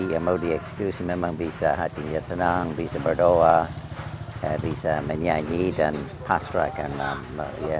yang mau dieksekusi memang bisa hatinya tenang bisa berdoa bisa menyanyi dan pasrah karena